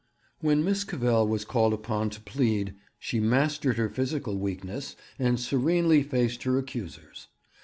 When Miss Cavell was called upon to plead, she mastered her physical weakness, and serenely faced her accusers.